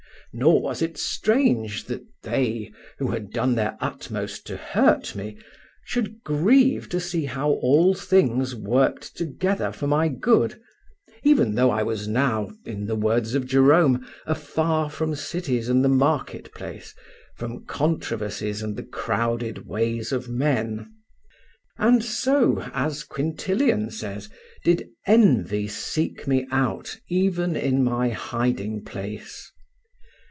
Nor was it strange that they, who had done their utmost to hurt me, should grieve to see how all things worked together for my good, even though I was now, in the words of Jerome, afar from cities and the market place, from controversies and the crowded ways of men. And so, as Quintilian says, did envy seek me out even in my hiding place.